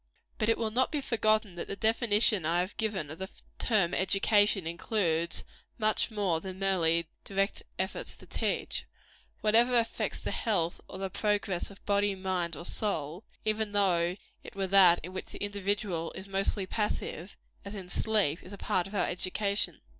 But it will not be forgotten that the definition I have given of the term education includes much more than merely direct efforts to teach. Whatever affects the health or the progress of body, mind or soul, even though it were that in which the individual is mostly passive, as in sleep, is a part of our education.